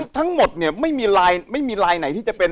ทั้งหมดเนี่ยไม่มีลายไหนที่จะเป็น